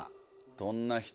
どんな人？